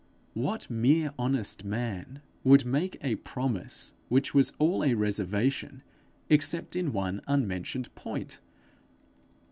What mere honest man would make a promise which was all a reservation, except in one unmentioned point!